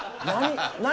何？